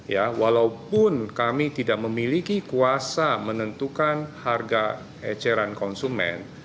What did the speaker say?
ya walaupun kami tidak memiliki kuasa menentukan harga eceran konsumen